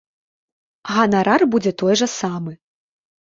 Ганарар будзе той жа самы.